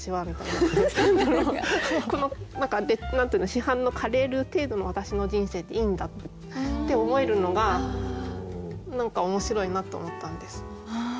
市販のカレールー程度の私の人生でいいんだって思えるのが何か面白いなと思ったんです。